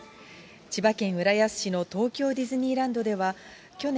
千葉県浦安市の東京ディズニーランドでは、去年、